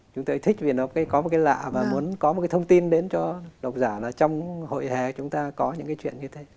chúng tôi thích vì nó có một cái lạ mà muốn có một cái thông tin đến cho độc giả là trong hội hè chúng ta có những cái chuyện như thế